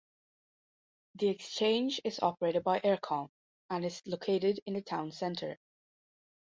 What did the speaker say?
The exchange is operated by eircom and is located in the town centre.